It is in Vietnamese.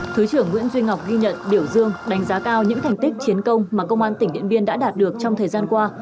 thứ trưởng nguyễn duy ngọc ghi nhận biểu dương đánh giá cao những thành tích chiến công mà công an tỉnh điện biên đã đạt được trong thời gian qua